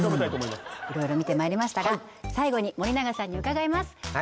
いろいろ見てまいりましたが最後に森永さんに伺います